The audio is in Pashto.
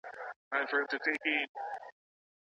د پوهي شریکول د پوهي د زیاتیدو لامل ګرځي.